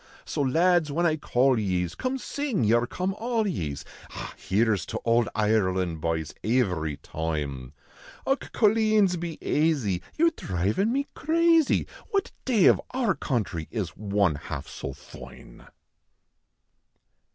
So lads whin I call ye s, come sing your " Come all ye s," Ah ! here s to ould Ireland, byes, ivery toime ; Dch, coleens, be aisy, your dhrivin me cra/.v. What dav of our couutrv is one half so foine?